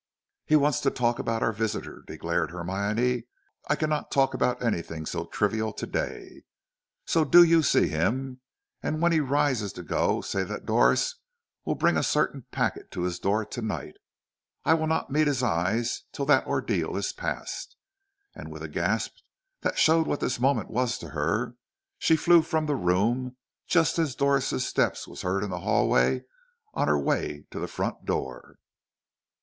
"He wants to talk about our visitor," declared Hermione. "I cannot talk about anything so trivial to day; so do you see him, and when he rises to go, say that Doris will bring a certain packet to his door to night. I will not meet his eyes till that ordeal is passed." And with a gasp that showed what this moment was to her, she flew from the room, just as Doris' step was heard in the hall on her way to the front door.